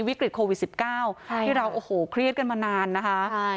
วิกฤตโควิด๑๙ที่เราเครียดกันมานานนะคะ